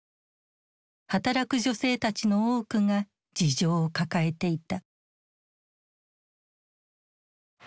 働く女性たちの多くが事情を抱えていた。